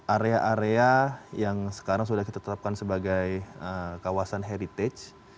area area yang sekarang sudah kita tetapkan sebagai kawasan heritage